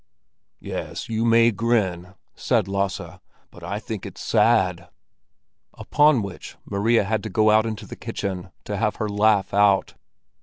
"Yes, you may grin!" said Lasse; "but I think it's sad!" Upon which Maria had to go out into the kitchen to have her laugh out.